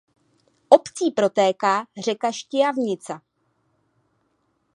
Obcí protéká řeka Štiavnica.